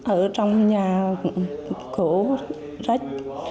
ở trong nhà cổ rách